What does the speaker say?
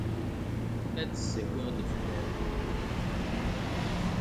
Ad d-ssakiɣ lefjer!